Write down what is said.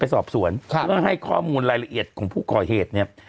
สอบสวนเพื่อให้ข้อมูลรายละเอียดของผู้ก่อเหตุเนี่ย